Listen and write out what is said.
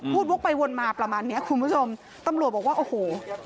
วกไปวนมาประมาณเนี้ยคุณผู้ชมตำรวจบอกว่าโอ้โห